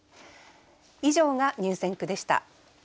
以上が入選句でした。